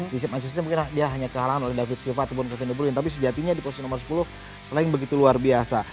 di manchester city mungkin dia hanya kehalangan oleh david silva atau kevin de bruyne tapi sejatinya di posisi nomor sepuluh sterling begitu luar biasa